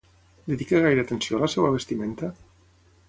Dedica gaire atenció a la seva vestimenta?